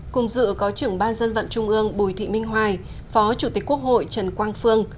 cùng dự có trưởng ban dân vận trung ương bùi thị minh hoài phó chủ tịch quốc hội trần quang phương